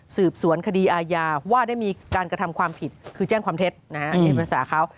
สืบสวนคดีอาญาว่าได้มีการกระทำความผิดคือแจ้งความเท็จนะฮะเรียนภาษาเขา